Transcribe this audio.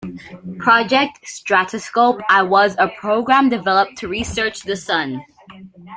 Project Stratoscope I was a program developed to research the Sun.